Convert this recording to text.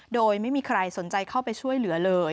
โดยไม่มีใครสนใจเข้าไปช่วยเหลือเลย